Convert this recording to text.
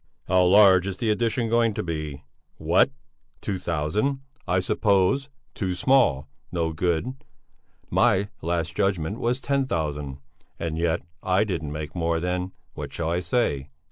"How large is the edition going to be? What? Two thousand, I suppose. Too small! No good! My Last Judgment was ten thousand, and yet I didn't make more than what shall I say?